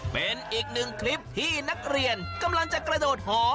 เป็นอีกหนึ่งคลิปที่นักเรียนกำลังจะกระโดดหอ